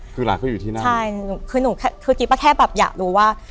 คือหลานเขาอยู่ที่นั่นใช่คือหนูคือกี้ป้าแค่แบบอยากรู้ว่า